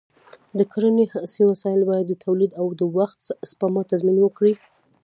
د کرنې عصري وسایل باید د تولید او د وخت سپما تضمین وکړي.